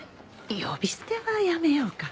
呼び捨てはやめようか。